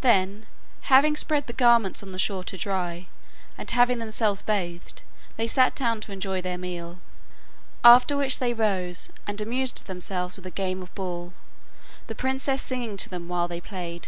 Then having spread the garments on the shore to dry, and having themselves bathed, they sat down to enjoy their meal; after which they rose and amused themselves with a game of ball, the princess singing to them while they played.